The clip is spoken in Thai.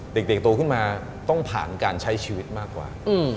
เด็กโตขึ้นมาต้องผ่านการใช้ชีวิตมากกว่า